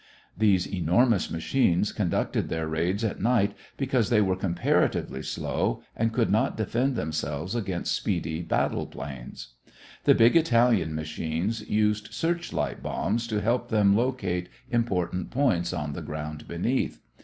These enormous machines conducted their raids at night because they were comparatively slow and could not defend themselves against speedy battle planes. The big Italian machines used "search light" bombs to help them locate important points on the ground beneath.